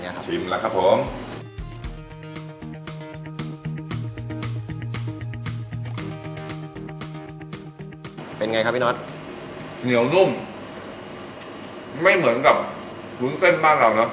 และและครับผมเป็นไงก็พี่น้อยเป็นเหนียวนุ่มจะไม่เหมือนกับวุ้นเส้นบ้านเรานะ